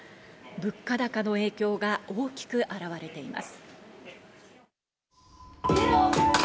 物価高の影響が大きく表れています。